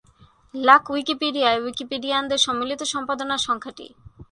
লাক উইকিপিডিয়ায় উইকিপিডিয়ানদের সম্মিলিত সম্পাদনার সংখ্যা টি।